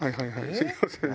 すいませんね。